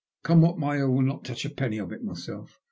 Come what may, I will not touch a penny of it myself.